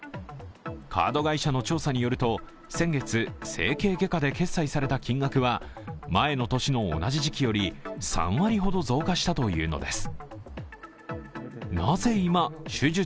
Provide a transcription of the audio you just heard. カード会社の調査によると先月、整形外科で決済された金額は前の年の同じ時期より３割ほど増加したというのです。